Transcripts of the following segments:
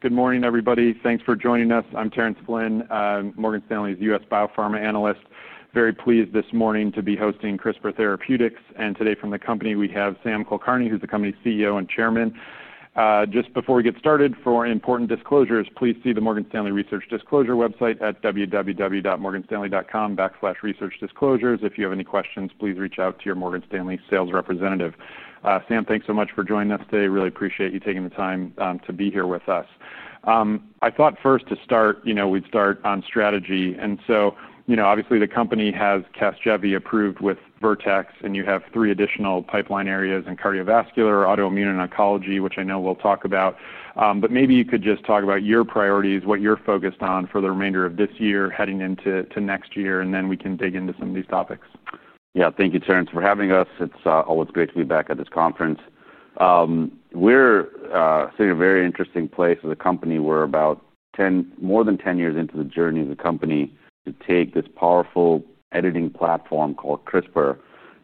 Good morning, everybody. Thanks for joining us. I'm Terrence Flynn, Morgan Stanley's U.S. biopharma analyst. Very pleased this morning to be hosting CRISPR Therapeutics. Today, from the company, we have Samarth Kulkarni, who's the company CEO and Chairman. Just before we get started, for important disclosures, please see the Morgan Stanley Research Disclosure website at www.morganstanley.com/researchdisclosures. If you have any questions, please reach out to your Morgan Stanley sales representative. Sam, thanks so much for joining us today. Really appreciate you taking the time to be here with us. I thought first to start, we'd start on strategy. Obviously, the company has CASGEVY approved with Vertex Pharmaceuticals, and you have three additional pipeline areas in cardiovascular, autoimmune, and oncology, which I know we'll talk about. Maybe you could just talk about your priorities, what you're focused on for the remainder of this year heading into next year, and then we can dig into some of these topics. Yeah. Thank you, Terrence, for having us. It's always great to be back at this conference. We're sitting in a very interesting place as a company. We're about more than 10 years into the journey of the company to take this powerful editing platform called CRISPR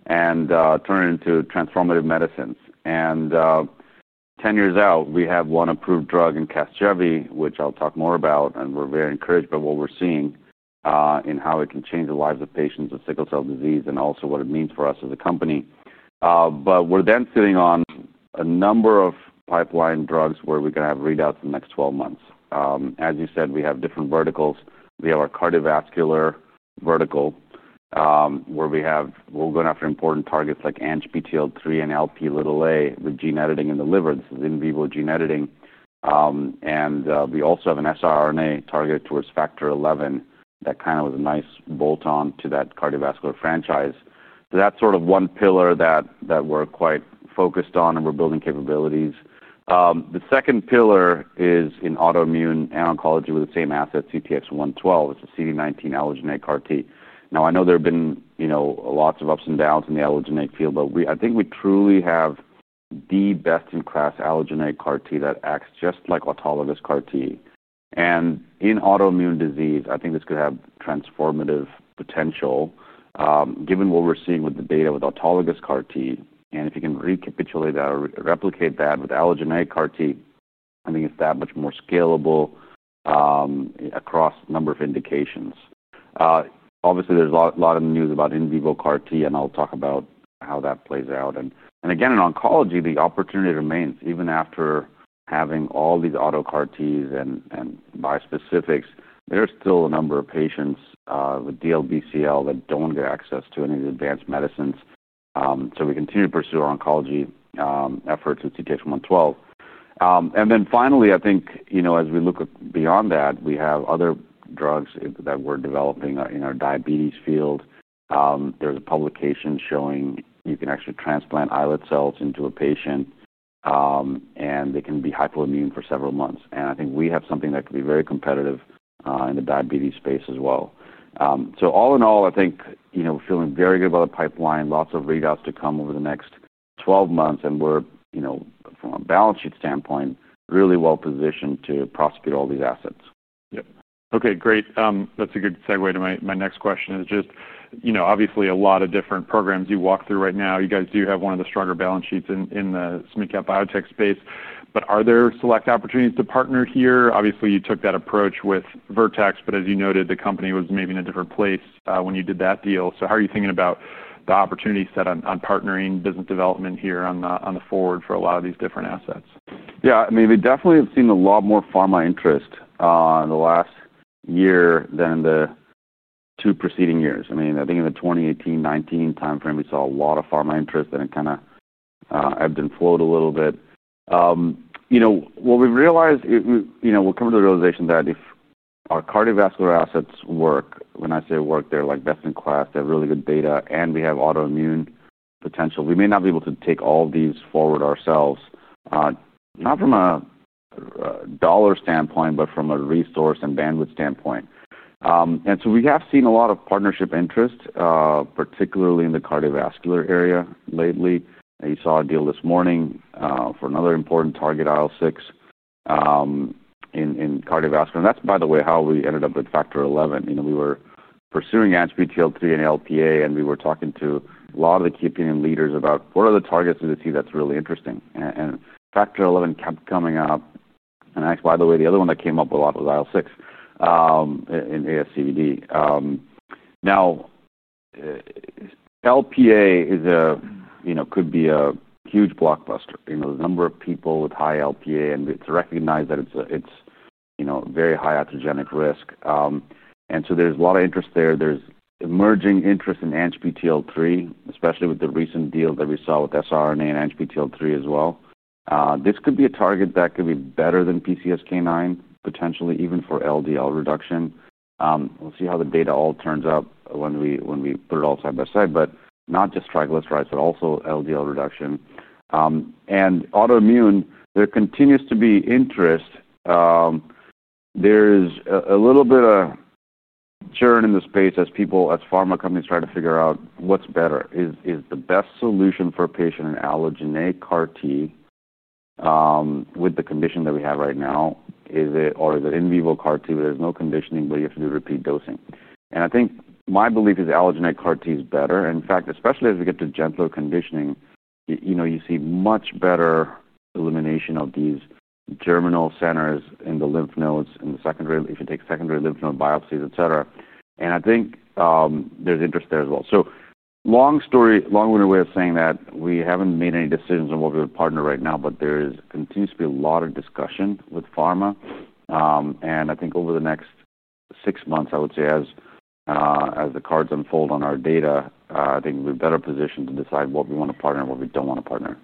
and turn it into transformative medicines. Ten years out, we have one approved drug in CASGEVY, which I'll talk more about. We're very encouraged by what we're seeing in how it can change the lives of patients with sickle cell disease and also what it means for us as a company. We're then sitting on a number of pipeline drugs where we're going to have readouts in the next 12 months. As you said, we have different verticals. We have our cardiovascular vertical, where we're going after important targets like ANGPTL3 and Lp(a), the gene editing in the liver. This is in vivo gene editing. We also have an siRNA targeted towards factor XI. That kind of was a nice bolt-on to that cardiovascular franchise. That's sort of one pillar that we're quite focused on, and we're building capabilities. The second pillar is in autoimmune and oncology with the same asset, CTX112, which is CD19 allogeneic CAR T. I know there have been lots of ups and downs in the allogeneic field, but I think we truly have the best-in-class allogeneic CAR T that acts just like autologous CAR T. In autoimmune disease, I think this could have transformative potential, given what we're seeing with the data with autologous CAR T. If you can recapitulate that or replicate that with allogeneic CAR T, I think it's that much more scalable across a number of indications. Obviously, there's a lot in the news about in vivo CAR T, and I'll talk about how that plays out. Again, in oncology, the opportunity remains. Even after having all these auto CAR Ts and biospecifics, there are still a number of patients with DLBCL that don't get access to any of the advanced medicines. We continue to pursue our oncology efforts with CTX112. Finally, as we look beyond that, we have other drugs that we're developing in our diabetes field. There's a publication showing you can actually transplant islet cells into a patient, and they can be hypoimmune for several months. I think we have something that could be very competitive in the diabetes space as well. All in all, I think we're feeling very good about the pipeline, lots of readouts to come over the next 12 months, and from a balance sheet standpoint, really well positioned to prosecute all these assets. Yeah. Okay. Great. That's a good segue to my next question. Obviously, a lot of different programs you walk through right now. You guys do have one of the stronger balance sheets in the SmeCap biotech space. Are there select opportunities to partner here? Obviously, you took that approach with Vertex, but as you noted, the company was maybe in a different place when you did that deal. How are you thinking about the opportunities set on partnering business development here on the forward for a lot of these different assets? Yeah. I mean, we definitely have seen a lot more pharma interest in the last year than the two preceding years. I mean, I think in the 2018-2019 time frame, we saw a lot of pharma interest, and it kind of ebbed and flowed a little bit. What we've realized, we've come to the realization that if our cardiovascular assets work, when I say work, they're like best-in-class. They have really good data, and we have autoimmune potential. We may not be able to take all of these forward ourselves, not from a dollar standpoint, but from a resource and bandwidth standpoint. We have seen a lot of partnership interest, particularly in the cardiovascular area lately. You saw a deal this morning, for another important target, IL-6, in cardiovascular. That's, by the way, how we ended up with factor XI. We were pursuing ANGPTL3 and Lp(a), and we were talking to a lot of the key opinion leaders about what are the targets that's really interesting. Factor XI kept coming up. Actually, by the way, the other one that came up a lot was IL-6, in ASCVD. Now, Lp(a) is a, you know, could be a huge blockbuster. The number of people with high Lp(a), and it's recognized that it's a, it's, you know, very high iatrogenic risk. There is a lot of interest there. There's emerging interest in ANGPTL3, especially with the recent deal that we saw with siRNA and ANGPTL3 as well. This could be a target that could be better than PCSK9, potentially even for LDL reduction. We'll see how the data all turns out when we put it all side by side, but not just triglycerides, but also LDL reduction. Autoimmune, there continues to be interest. There is a little bit of churn in the space as pharma companies try to figure out what's better. Is the best solution for a patient an allogeneic CAR T with the condition that we have right now? Is it, or is it in vivo CAR T, but there's no conditioning, but you have to do repeat dosing? I think my belief is allogeneic CAR T is better. In fact, especially as we get to gentler conditioning, you see much better elimination of these germinal centers in the lymph nodes and the secondary, if you take secondary lymph node biopsies, etc. I think there's interest there as well. Long story, long-winded way of saying that we haven't made any decisions on what we would partner right now, but there continues to be a lot of discussion with pharma. I think over the next six months, as the cards unfold on our data, I think we're better positioned to decide what we want to partner and what we don't want to partner.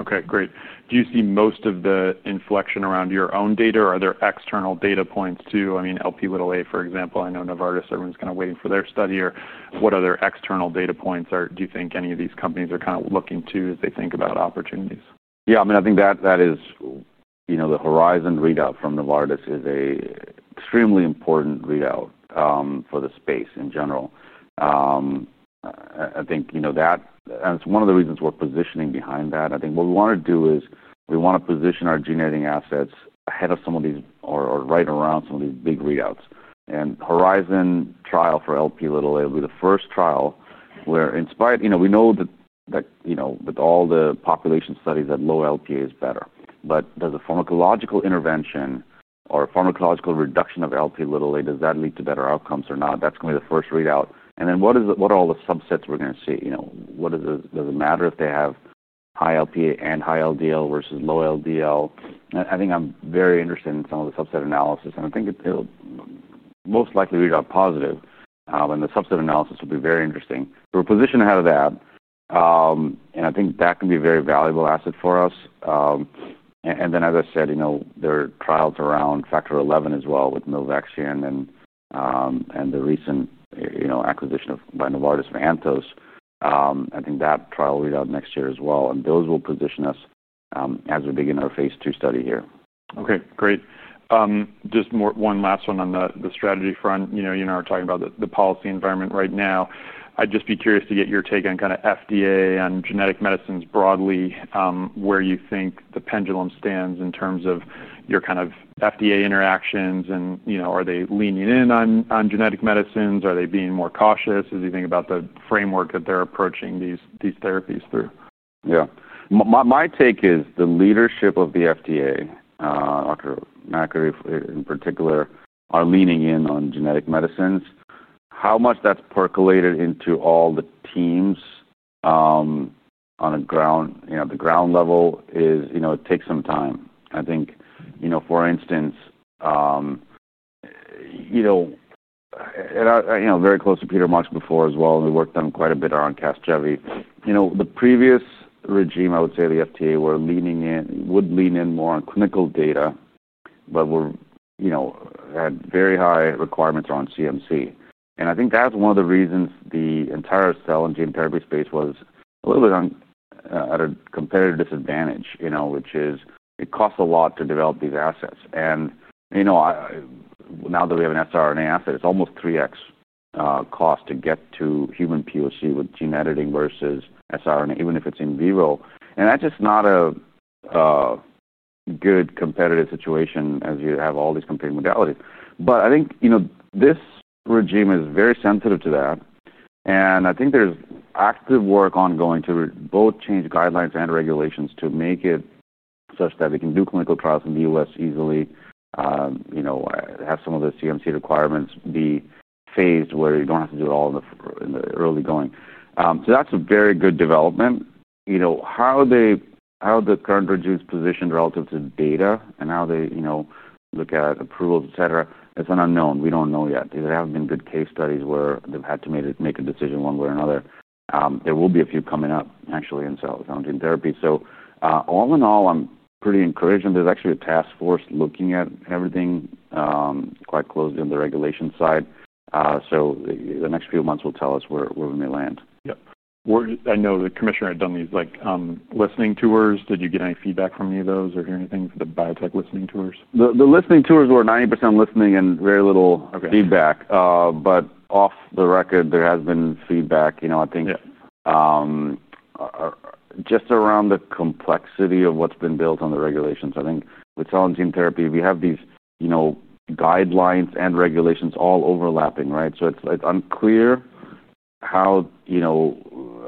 Okay. Great. Do you see most of the inflection around your own data? Are there external data points too? I mean, Lp(a), for example. I know Novartis, everyone's kind of waiting for their study here. What other external data points do you think any of these companies are kind of looking to as they think about opportunities? Yeah. I mean, I think that is, you know, the Horizon readout from Novartis is an extremely important readout for the space in general. I think that is one of the reasons we're positioning behind that. I think what we want to do is we want to position our gene editing assets ahead of some of these or right around some of these big readouts. The Horizon trial for Lp(a) will be the first trial where, in spite of, you know, we know that with all the population studies that low Lp(a) is better. Does a pharmacological intervention or a pharmacological reduction of Lp(a), does that lead to better outcomes or not? That's going to be the first readout. What are all the subsets we're going to see? Does it matter if they have high Lp(a) and high LDL versus low LDL? I think I'm very interested in some of the subset analysis. I think it'll most likely read out positive, and the subset analysis would be very interesting. We're positioned ahead of that, and I think that can be a very valuable asset for us. As I said, there are trials around factor XI as well with Novartis and the recent acquisition by Novartis from Anthos. I think that trial readout is next year as well. Those will position us as we begin our phase two study here. Okay. Great. Just one last one on the strategy front. You and I were talking about the policy environment right now. I'd just be curious to get your take on kind of FDA on genetic medicines broadly, where you think the pendulum stands in terms of your kind of FDA interactions. Are they leaning in on genetic medicines? Are they being more cautious? Is there anything about the framework that they're approaching these therapies through? Yeah. My take is the leadership of the FDA, Doctor McAree in particular, are leaning in on genetic medicines. How much that's percolated into all the teams on the ground level is, you know, it takes some time. I think, for instance, you know, and I'm very close to Peter Much before as well, and we worked on quite a bit around CASGEVY. The previous regime, I would say the FDA would lean in more on clinical data, but had very high requirements around CMC. I think that's one of the reasons the entire cell and gene therapy space was a little bit at a competitive disadvantage, which is it costs a lot to develop these assets. Now that we have an siRNA asset, it's almost 3X cost to get to human POC with gene editing versus siRNA, even if it's in vivo. That's just not a good competitive situation as you have all these competing modalities. I think this regime is very sensitive to that. I think there's active work ongoing to both change guidelines and regulations to make it such that we can do clinical trials in the U.S. easily, have some of the CMC requirements be phased where you don't have to do it all in the early going. That's a very good development. How the current regime is positioned relative to data and how they look at approvals, etc., it's an unknown. We don't know yet. There haven't been good case studies where they've had to make a decision one way or another. There will be a few coming up, actually, in cell and gene therapy. All in all, I'm pretty encouraged. There's actually a task force looking at everything quite closely on the regulation side. The next few months will tell us where we may land. Yeah. I know the Commissioner had done these listening tours. Did you get any feedback from any of those or hear anything from the biotech listening tours? The listening tours were 90% listening and very little feedback. Off the record, there has been feedback. I think just around the complexity of what's been built on the regulations. I think with cell and gene therapy, we have these guidelines and regulations all overlapping, right? It's unclear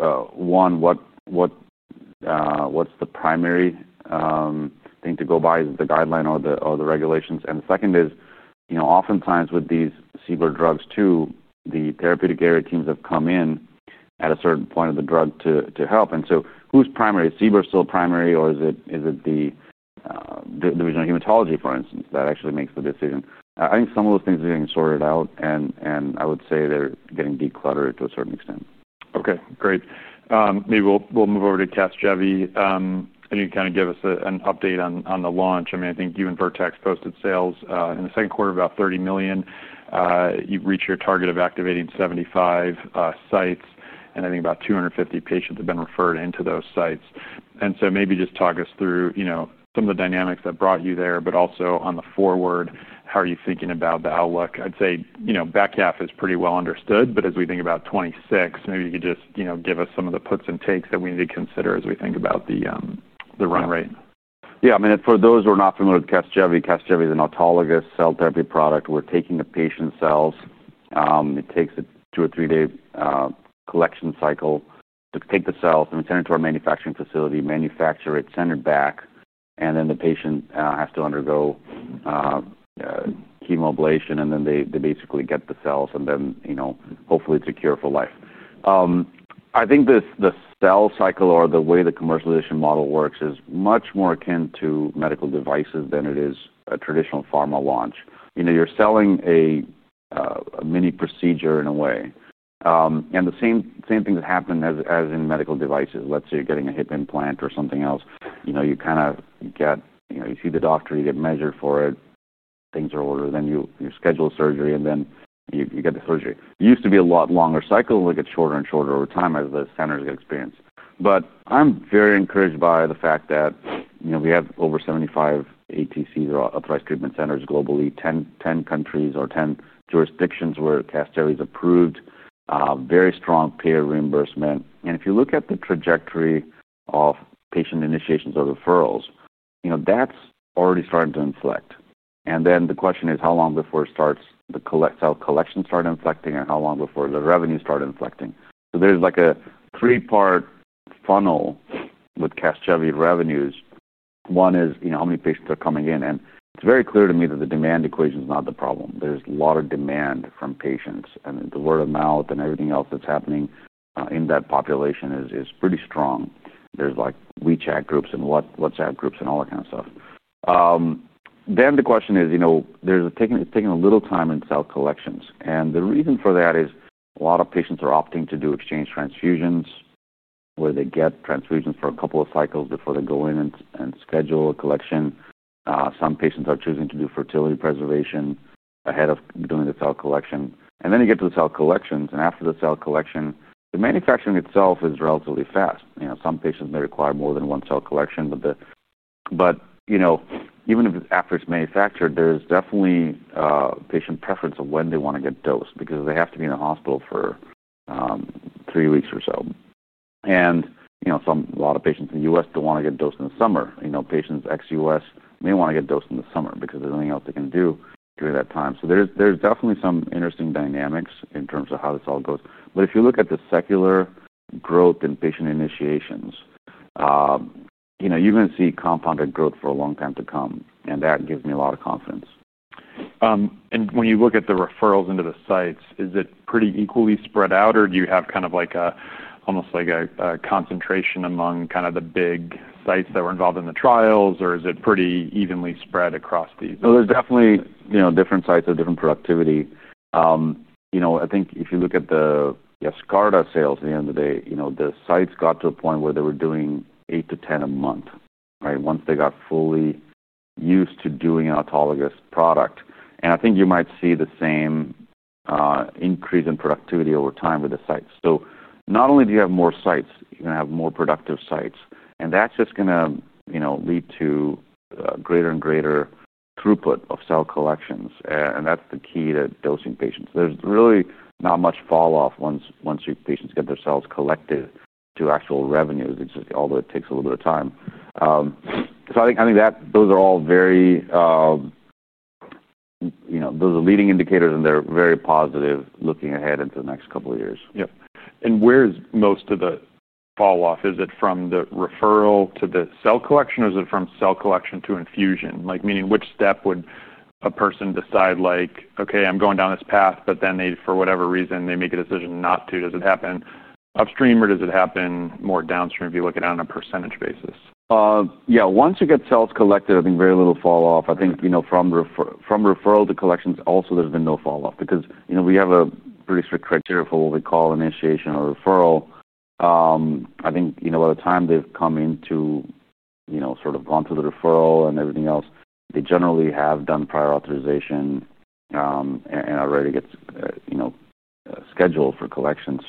what the primary thing to go by is, the guideline or the regulations. The second is, oftentimes with these CBER drugs too, the therapeutic area teams have come in at a certain point of the drug to help. Who's primary? Is CBER still primary, or is it the regional hematology, for instance, that actually makes the decision? I think some of those things are getting sorted out. I would say they're getting decluttered to a certain extent. Okay. Great. Maybe we'll move over to CASGEVY, and you can kind of give us an update on the launch. I mean, I think you and Vertex posted sales in the second quarter, about $30 million. You reached your target of activating 75 sites, and I think about 250 patients have been referred into those sites. Maybe just talk us through some of the dynamics that brought you there, but also on the forward, how are you thinking about the outlook? I'd say the back half is pretty well understood. As we think about 2026, maybe you could just give us some of the puts and takes that we need to consider as we think about the run rate. Yeah. I mean, for those who are not familiar with CASGEVY, CASGEVY is an autologous cell therapy product where we're taking the patient's cells. It takes a two or three-day collection cycle to take the cells and return it to our manufacturing facility, manufacture it, send it back. The patient has to undergo hemoablation. They basically get the cells, and then, you know, hopefully, it's a cure for life. I think the cell cycle or the way the commercialization model works is much more akin to medical devices than it is a traditional pharma launch. You're selling a mini procedure in a way, and the same thing that happened as in medical devices. Let's say you're getting a hip implant or something else. You kind of get, you know, you see the doctor, you get measured for it. Things are ordered. You schedule surgery, and then you get the surgery. It used to be a lot longer cycle. It gets shorter and shorter over time as the centers get experience. I'm very encouraged by the fact that we have over 75 ATCs or authorized treatment centers globally, 10 countries or 10 jurisdictions where CASGEVY is approved, very strong payer reimbursement. If you look at the trajectory of patient initiations or referrals, that's already starting to inflect. The question is, how long before the cell collections start inflecting and how long before the revenues start inflecting? There's like a three-part funnel with CASGEVY revenues. One is how many patients are coming in. It's very clear to me that the demand equation is not the problem. There's a lot of demand from patients. The word of mouth and everything else that's happening in that population is pretty strong. There's like WeChat groups and WhatsApp groups and all that kind of stuff. The question is, it's taking a little time in cell collections. The reason for that is a lot of patients are opting to do exchange transfusions where they get transfusions for a couple of cycles before they go in and schedule a collection. Some patients are choosing to do fertility preservation ahead of doing the cell collection. Then you get to the cell collections. After the cell collection, the manufacturing itself is relatively fast. Some patients may require more than one cell collection. Even if after it's manufactured, there's definitely patient preference of when they want to get dosed because they have to be in the hospital for three weeks or so. A lot of patients in the U.S. don't want to get dosed in the summer. Patients ex-U.S. may want to get dosed in the summer because there's nothing else they can do during that time. There are definitely some interesting dynamics in terms of how this all goes. If you look at the secular growth in patient initiations, you're going to see compounded growth for a long time to come. That gives me a lot of confidence. When you look at the referrals into the sites, is it pretty equally spread out, or do you have kind of like a concentration among the big sites that were involved in the trials, or is it pretty evenly spread across these? There are definitely different sites with different productivity. I think if you look at the, yes, Skarta sales at the end of the day, the sites got to a point where they were doing 8 to 10 a month, right, once they got fully used to doing an autologous product. I think you might see the same increase in productivity over time with the sites. Not only do you have more sites, you're going to have more productive sites. That's just going to lead to greater and greater throughput of cell collections, and that's the key to dosing patients. There's really not much falloff once your patients get their cells collected to actual revenues, although it takes a little bit of time. I think those are all very, you know, those are leading indicators, and they're very positive looking ahead into the next couple of years. Where is most of the falloff? Is it from the referral to the cell collection, or is it from cell collection to infusion? Like, meaning which step would a person decide like, "Okay, I'm going down this path," but then they, for whatever reason, they make a decision not to? Does it happen upstream, or does it happen more downstream if you look at it on a % basis? Yeah. Once you get cells collected, I think very little falloff. I think from referral to collections, also, there's been no falloff because we have a pretty strict criteria for what we call initiation or referral. By the time they've come into, sort of gone through the referral and everything else, they generally have done prior authorization and are ready to get scheduled for collections.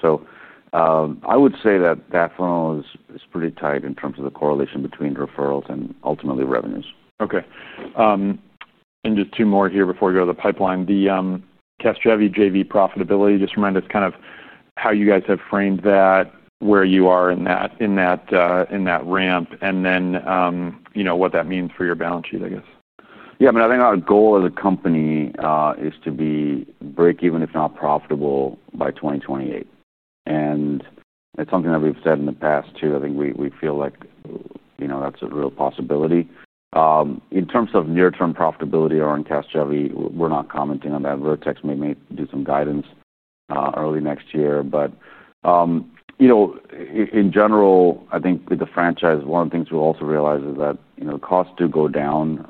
I would say that funnel is pretty tight in terms of the correlation between referrals and ultimately revenues. Okay, just two more here before we go to the pipeline. The CASGEVY JV profitability, just remind us kind of how you guys have framed that, where you are in that ramp, and then what that means for your balance sheet, I guess. Yeah. I mean, I think our goal as a company is to be breakeven if not profitable by 2028. That's something that we've said in the past too. I think we feel like, you know, that's a real possibility. In terms of near-term profitability or in CASGEVY, we're not commenting on that. Vertex may do some guidance early next year. In general, I think with the franchise, one of the things we'll also realize is that the costs do go down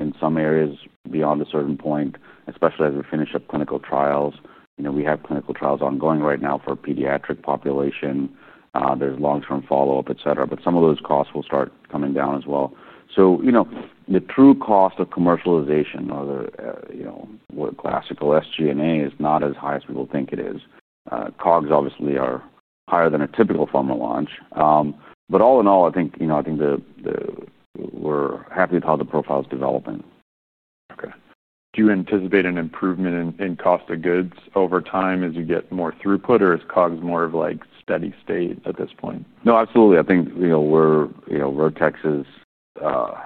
in some areas beyond a certain point, especially as we finish up clinical trials. We have clinical trials ongoing right now for a pediatric population. There's long-term follow-up, etc. Some of those costs will start coming down as well. The true cost of commercialization or what classical SG&A is not as high as people think it is. COGS obviously are higher than a typical pharma launch. All in all, I think we're happy with how the profile is developing. Okay. Do you anticipate an improvement in cost of goods over time as you get more throughput, or is COGS more of like steady state at this point? Absolutely. I think Vertex is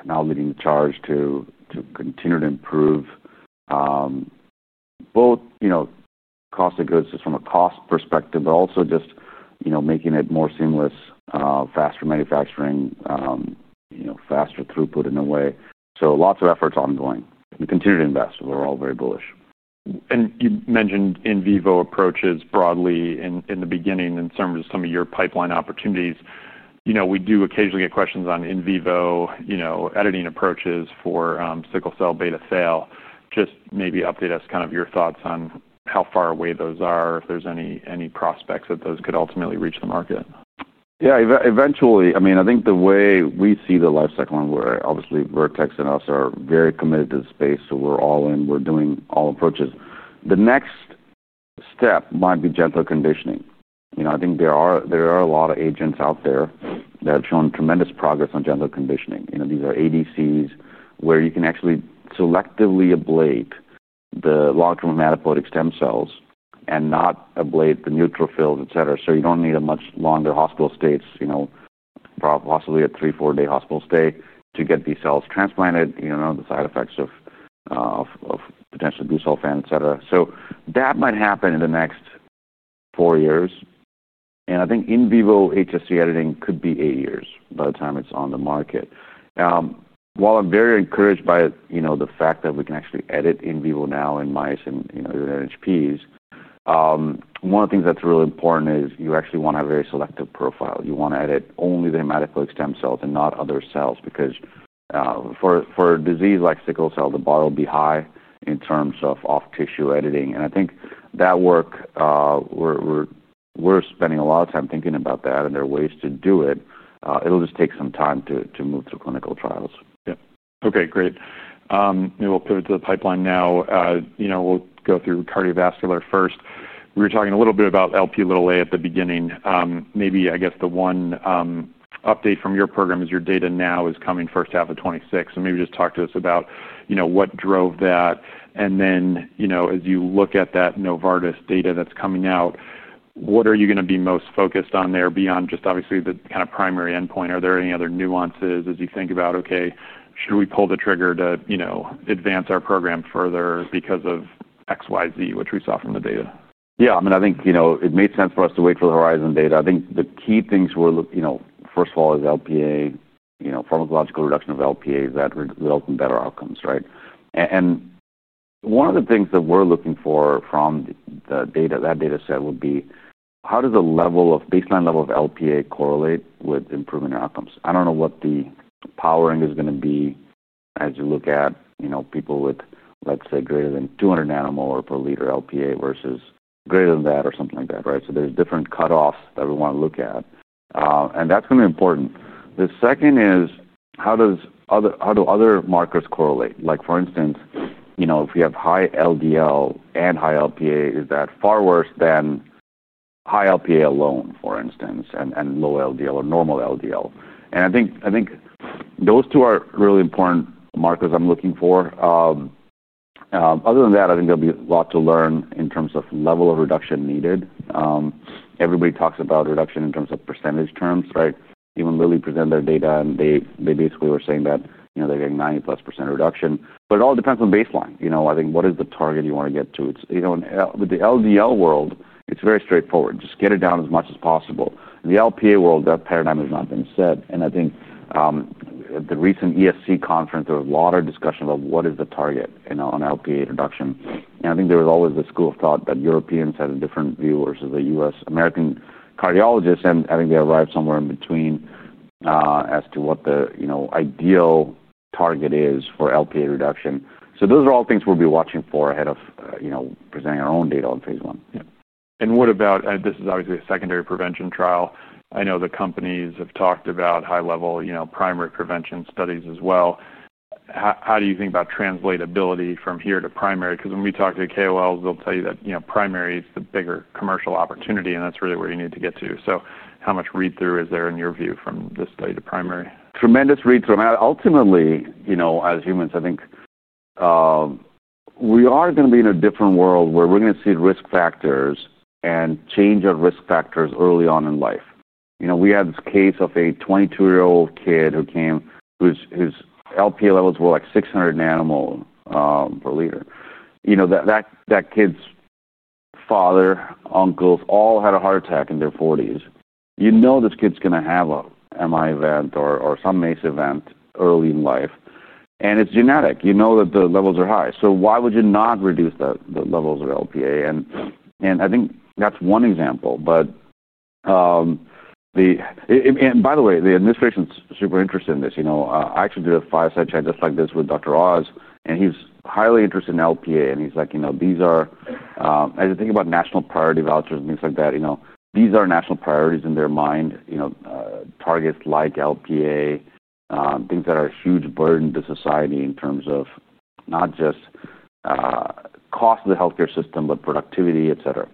now leading the charge to continue to improve both cost of goods just from a cost perspective, but also just making it more seamless, faster manufacturing, faster throughput in a way. Lots of efforts ongoing. We continue to invest. We're all very bullish. You mentioned in vivo approaches broadly in the beginning in terms of some of your pipeline opportunities. We do occasionally get questions on in vivo editing approaches for sickle cell beta fail. Maybe update us on your thoughts on how far away those are, if there's any prospects that those could ultimately reach the market. Yeah. Eventually, I mean, I think the way we see the lifecycle on, where obviously Vertex Pharmaceuticals and us are very committed to the space, so we're all in. We're doing all approaches. The next step might be gentle conditioning. I think there are a lot of agents out there that have shown tremendous progress on gentle conditioning. These are ADCs where you can actually selectively ablate the long-term hematopoietic stem cells and not ablate the neutrophils, etc. You don't need a much longer hospital stay, possibly a three or four-day hospital stay to get these cells transplanted. None of the side effects of potential glucophan, etc. That might happen in the next four years. I think in vivo HSC editing could be eight years by the time it's on the market. While I'm very encouraged by the fact that we can actually edit in vivo now in mice and even in NHPs, one of the things that's really important is you actually want to have a very selective profile. You want to edit only the hematopoietic stem cells and not other cells because, for a disease like sickle cell disease, the bar will be high in terms of off-tissue editing. I think that work, we're spending a lot of time thinking about that, and there are ways to do it. It'll just take some time to move to clinical trials. Yeah. Okay. Great. Maybe we'll pivot to the pipeline now. You know, we'll go through cardiovascular first. We were talking a little bit about Lp(a) at the beginning. Maybe I guess the one update from your program is your data now is coming first half of 2026. Maybe just talk to us about, you know, what drove that. As you look at that Novartis data that's coming out, what are you going to be most focused on there beyond just obviously the kind of primary endpoint? Are there any other nuances as you think about, "Okay, should we pull the trigger to, you know, advance our program further because of X, Y, Z," which we saw from the data? Yeah. I mean, I think it made sense for us to wait for the Horizon data. I think the key things we're, you know, first of all, is Lp(a), you know, pharmacological reduction of Lp(a), that results in better outcomes, right? One of the things that we're looking for from the data, that data set, would be how does the baseline level of Lp(a) correlate with improvement in outcomes? I don't know what the powering is going to be as you look at, you know, people with, let's say, greater than 200 nanomolar per liter Lp(a) versus greater than that or something like that, right? There are different cutoffs that we want to look at, and that's going to be important. The second is how do other markers correlate? Like, for instance, you know, if we have high LDL and high Lp(a), is that far worse than high Lp(a) alone, for instance, and low LDL or normal LDL? I think those two are really important markers I'm looking for. Other than that, I think there'll be a lot to learn in terms of level of reduction needed. Everybody talks about reduction in terms of percentage terms, right? Even Lilly presented their data, and they basically were saying that, you know, they're getting 90+% reduction. It all depends on baseline. I think what is the target you want to get to? With the LDL world, it's very straightforward. Just get it down as much as possible. In the Lp(a) world, that paradigm has not been set. The recent ESC conference, there was a lot of discussion about what is the target, you know, on Lp(a) reduction. There was always the school of thought that Europeans had a different view versus the U.S. American cardiologists. I think they arrived somewhere in between, as to what the, you know, ideal target is for Lp(a) reduction. Those are all things we'll be watching for ahead of, you know, presenting our own data on phase one. Yeah. What about, this is obviously a secondary prevention trial. I know the companies have talked about high-level, you know, primary prevention studies as well. How do you think about translatability from here to primary? Because when we talk to KOLs, they'll tell you that, you know, primary, it's the bigger commercial opportunity, and that's really where you need to get to. How much read-through is there in your view from this study to primary? Tremendous read-through. I mean, ultimately, you know, as humans, I think we are going to be in a different world where we're going to see risk factors and change of risk factors early on in life. We had this case of a 22-year-old kid who came, whose Lp(a) levels were like 600 nanomolar per liter. That kid's father, uncles all had a heart attack in their 40s. You know this kid's going to have an MI event or some MACE event early in life. It's genetic. You know that the levels are high. Why would you not reduce the levels of Lp(a)? I think that's one example. By the way, the administration is super interested in this. I actually did a five-site change effect with Dr. Oz, and he was highly interested in Lp(a). He's like, as you think about national priority vouchers and things like that, these are national priorities in their mind, targets like Lp(a), things that are a huge burden to society in terms of not just cost of the healthcare system, but productivity, etc.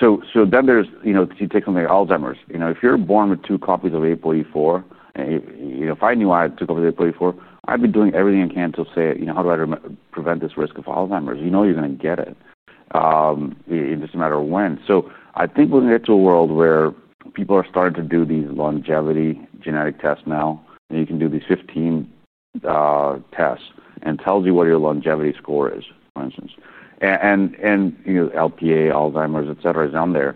If you take something like Alzheimer's, if you're born with two copies of APOE4, if I knew I had two copies of APOE4, I'd be doing everything I can to say, how do I prevent this risk of Alzheimer's? You know you're going to get it. It doesn't matter when. I think we're going to get to a world where people are starting to do these longevity genetic tests now. You can do these 15 tests and tell you what your longevity score is, for instance. Lp(a), Alzheimer's, etc., is on there.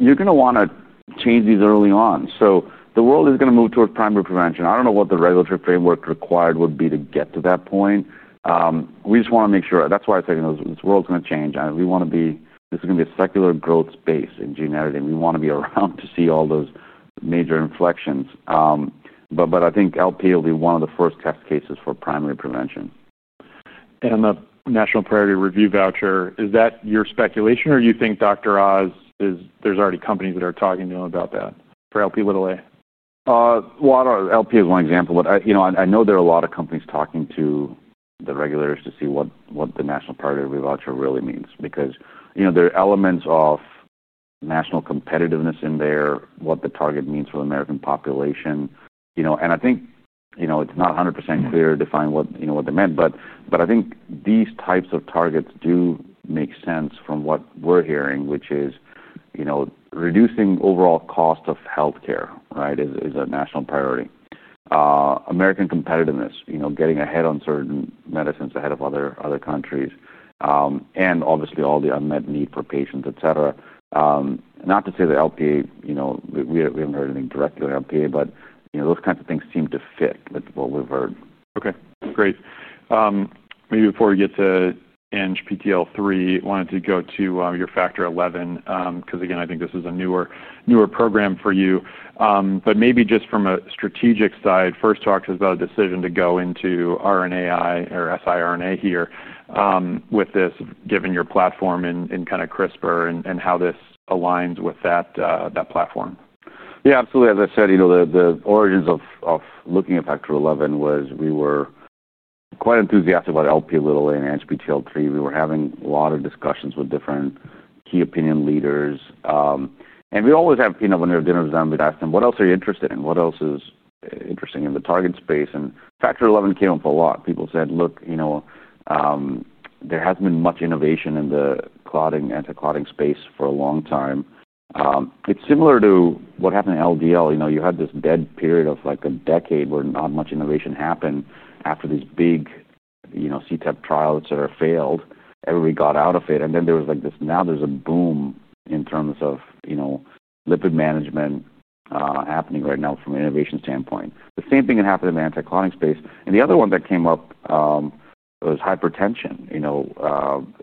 You're going to want to change these early on. The world is going to move towards primary prevention. I don't know what the regulatory framework required would be to get to that point. We just want to make sure. That's why I say the world's going to change. We want to be, this is going to be a secular growth space in gene editing. We want to be around to see all those major inflections. I think Lp(a) will be one of the first test cases for primary prevention. Is the National Priority Review Voucher your speculation, or do you think Dr. Oz is, there's already companies that are talking to him about that for Lp(a)? I don't know. Lp(a) is one example, but I know there are a lot of companies talking to the regulators to see what the National Priority Review Voucher really means because there are elements of national competitiveness in there, what the target means for the American population. I think it's not 100% clear to define what they meant. I think these types of targets do make sense from what we're hearing, which is reducing overall cost of healthcare, right, is a national priority. American competitiveness, getting ahead on certain medicines ahead of other countries, and obviously, all the unmet need for patients, etc. Not to say that Lp(a), we haven't heard anything directly on Lp(a), but those kinds of things seem to fit with what we've heard. Okay. Great. Maybe before we get to ANGPTL3, I wanted to go to your factor XI, because I think this is a newer program for you. Maybe just from a strategic side, first talk to us about a decision to go into RNAi or siRNA here, with this, given your platform in kind of CRISPR and how this aligns with that platform. Yeah, absolutely. As I said, the origins of looking at factor XI was we were quite enthusiastic about Lp(a) and ANGPTL3. We were having a lot of discussions with different key opinion leaders. We always have, you know, when we have dinners with them, we'd ask them, "What else are you interested in? What else is interesting in the target space?" Factor XI came up a lot. People said, "Look, you know, there hasn't been much innovation in the clotting, anti-clotting space for a long time." It's similar to what happened to LDL. You had this dead period of like a decade where not much innovation happened after these big, you know, CETP trials, etc. failed. Everybody got out of it. There was this, now there's a boom in terms of, you know, lipid management happening right now from an innovation standpoint. The same thing had happened in the anti-clotting space. The other one that came up was hypertension.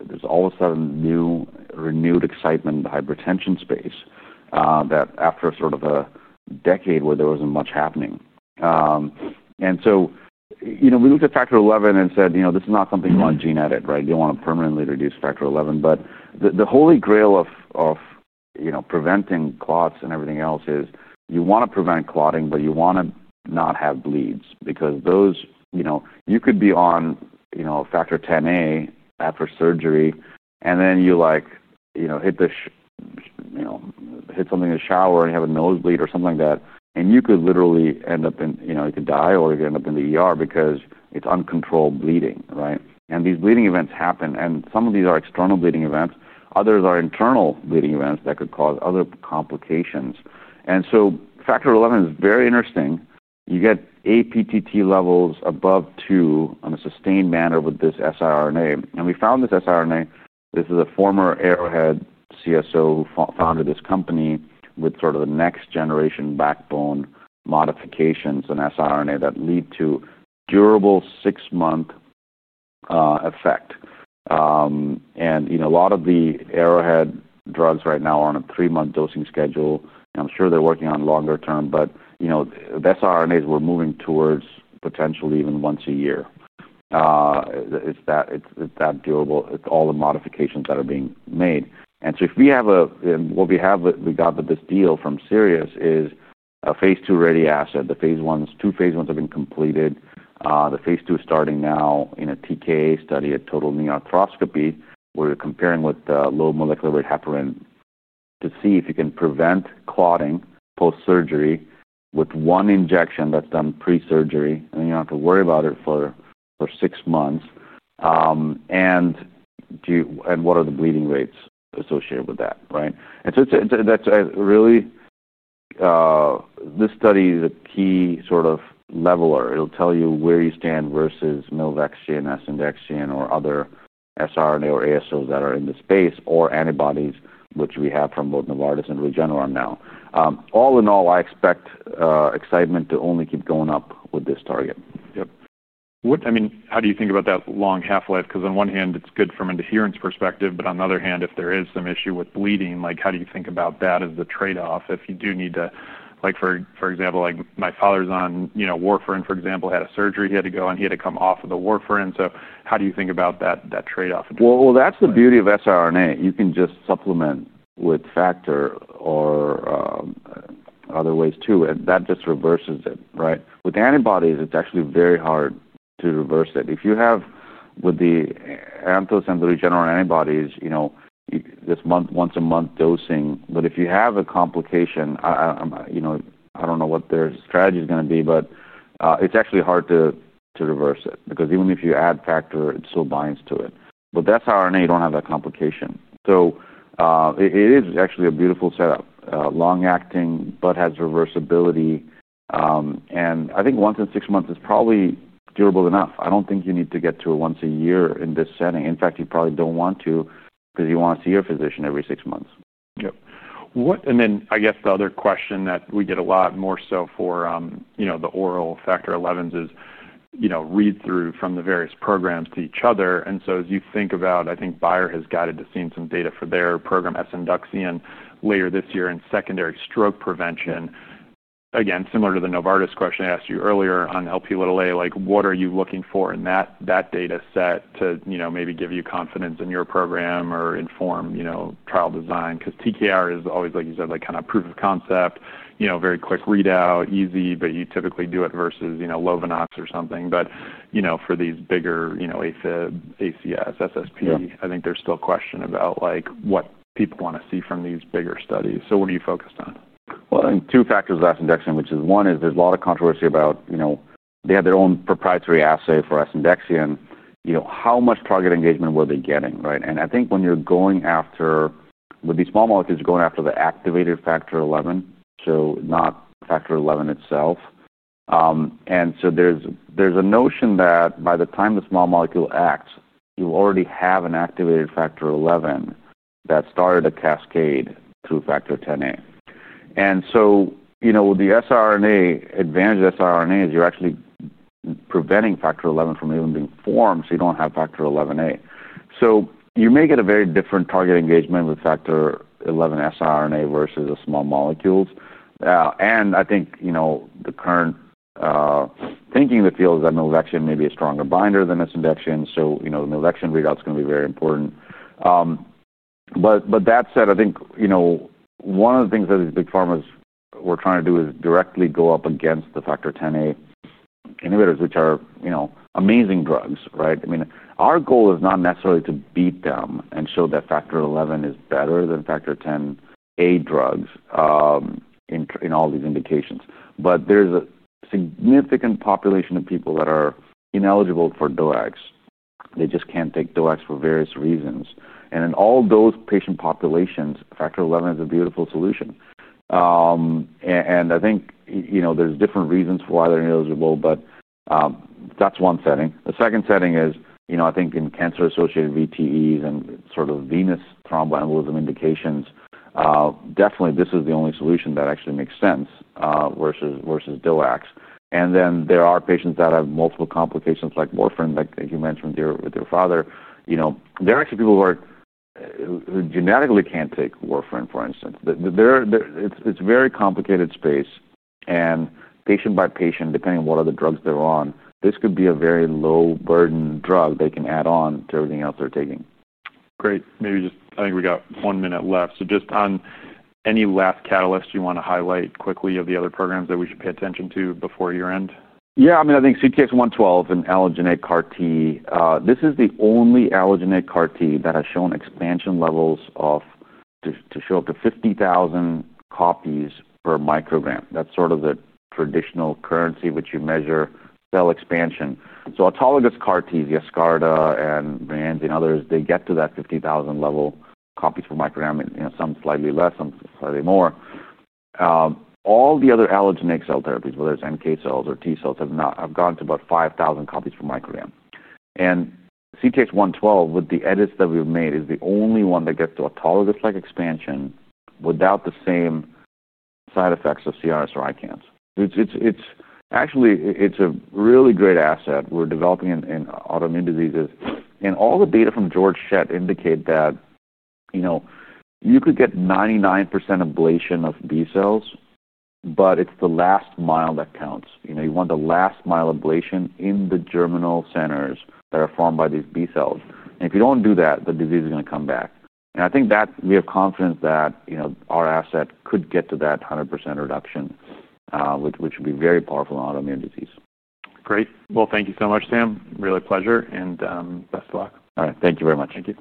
There's all of a sudden new renewed excitement in the hypertension space, after sort of a decade where there wasn't much happening. We looked at factor XI and said, you know, this is not something you want to gene edit, right? You don't want to permanently reduce factor XI. The holy grail of, you know, preventing clots and everything else is you want to prevent clotting, but you want to not have bleeds because those, you know, you could be on, you know, factor Xa after surgery, and then you, like, you know, hit something in the shower, you have a nosebleed or something like that, and you could literally end up in, you know, you could die or you could end up in the hospital because it's uncontrolled bleeding, right? These bleeding events happen. Some of these are external bleeding events. Others are internal bleeding events that could cause other complications. Factor XI is very interesting. You get APTT levels above 2 in a sustained manner with this siRNA. We found this siRNA. This is a former Arrowhead CSO who founded this company with sort of the next-generation backbone modifications in siRNA that lead to durable six-month effect. A lot of the Arrowhead drugs right now are on a three-month dosing schedule. I'm sure they're working on longer term, but, you know, the siRNAs we're moving towards potentially even once a year. It's that durable with all the modifications that are being made. What we have, we got with this deal from Sirius is a phase II ready asset. The phase Is, two phase Is have been completed. The phase II is starting now in a TKA study, a total knee arthroscopy, where you're comparing with the low molecular weight heparin to see if you can prevent clotting post-surgery with one injection that's done pre-surgery, and then you don't have to worry about it for six months. What are the bleeding rates associated with that, right? This study is a key sort of leveler. It'll tell you where you stand versus Milvecs, GNS, IndexGen, or other siRNA or ASOs that are in the space, or antibodies, which we have from both Novartis and Regeneron now. All in all, I expect excitement to only keep going up with this target. Yep. How do you think about that long half-life? Because on one hand, it's good from an adherence perspective, but on the other hand, if there is some issue with bleeding, how do you think about that as the trade-off if you do need to, like for example, like my father's on, you know, warfarin, for example, had a surgery he had to go on, he had to come off of the warfarin. How do you think about that trade-off? That's the beauty of siRNA. You can just supplement with factor or other ways too. That just reverses it, right? With antibodies, it's actually very hard to reverse it. If you have, with the Anthos and the Regeneron antibodies, you know, this month, once a month dosing. If you have a complication, I don't know what their strategy is going to be, but it's actually hard to reverse it because even if you add factor, it still binds to it. With siRNA, you don't have that complication. It is actually a beautiful setup, long-acting but has reversibility. I think once in six months is probably durable enough. I don't think you need to get to a once a year in this setting. In fact, you probably don't want to because you want to see your physician every six months. Yep. What, and then I guess the other question that we get a lot more so for, you know, the oral factor XI is, you know, read-through from the various programs to each other. As you think about, I think Bayer has got into seeing some data for their program, S-Induction, later this year in secondary stroke prevention. Again, similar to the Novartis question I asked you earlier on Lp(a), like what are you looking for in that data set to, you know, maybe give you confidence in your program or inform, you know, trial design? TKR is always, like you said, kind of proof of concept, very quick readout, easy, but you typically do it versus, you know, Lovenox or something. For these bigger, you know, AFib, ACS, SSP, I think there's still question about like what people want to see from these bigger studies. What are you focused on? I think two factors of S-Induction, which is one is there's a lot of controversy about, you know, they had their own proprietary assay for S-Induction. You know, how much target engagement were they getting, right? I think when you're going after, with these small molecules, you're going after the activated factor XI, so not factor XI itself. There's a notion that by the time the small molecule acts, you will already have an activated factor XI that started a cascade through factor Xa. With the siRNA, the advantage of siRNA is you're actually preventing factor XI from even being formed, so you don't have factor XIa. You may get a very different target engagement with factor XI siRNA versus the small molecules. I think the current thinking in the field is that Milvection may be a stronger binder than S-Induction. Milvection readout is going to be very important. That said, I think one of the things that these big pharmas were trying to do is directly go up against the factor Xa inhibitors, which are amazing drugs, right? I mean, our goal is not necessarily to beat them and show that factor XI is better than factor Xa drugs in all these indications. There's a significant population of people that are ineligible for DOACs. They just can't take DOACs for various reasons. In all those patient populations, factor XI is a beautiful solution. I think there's different reasons for why they're ineligible, but that's one setting. The second setting is, I think in cancer-associated VTEs and sort of venous thromboembolism indications, definitely this is the only solution that actually makes sense, versus DOACs. There are patients that have multiple complications like warfarin, like you mentioned with your father. There are actually people who are, who genetically can't take warfarin, for instance. It's a very complicated space. Patient by patient, depending on what other drugs they're on, this could be a very low-burden drug they can add on to everything else they're taking. Great. Maybe just, I think we got one minute left. Just on any last catalyst you want to highlight quickly of the other programs that we should pay attention to before year end? Yeah. I mean, I think CTX112 and allogeneic CAR T. This is the only allogeneic CAR T that has shown expansion levels to show up to 50,000 copies per microgram. That's sort of the traditional currency which you measure cell expansion. Autologous CAR Ts, the ESCARDA and VAND and others, they get to that 50,000 level copies per microgram. Some slightly less, some slightly more. All the other allogeneic cell therapies, whether it's NK cells or T cells, have not, have gone to about 5,000 copies per microgram. CTX112, with the edits that we've made, is the only one that gets to autologous-like expansion without the same side effects of CRS or ICANS. It's actually a really great asset. We're developing in autoimmune diseases. All the data from George Schett indicate that you could get 99% ablation of B cells, but it's the last mile that counts. You want the last mile ablation in the germinal centers that are formed by these B cells. If you don't do that, the disease is going to come back. I think that we have confidence that our asset could get to that 100% reduction, which would be very powerful in autoimmune disease. Great. Thank you so much, Sam. Really a pleasure and best of luck. All right. Thank you very much. Thank you.